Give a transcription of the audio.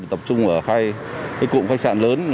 tập trung ở hai cụm khách sạn lớn